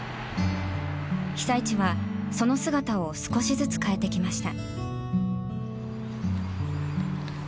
被災地は、その姿を少しずつ変えてきました。